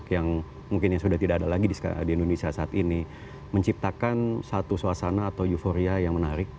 yang mungkin yang sudah tidak ada lagi di indonesia saat ini menciptakan satu suasana atau euforia yang menarik